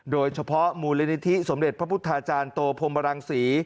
โดยเฉพาะมูลนิธิสมเด็จพระพุทธาจารย์โตพรมรังศรี